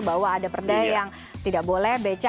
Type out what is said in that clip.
bahwa ada perda yang tidak boleh beca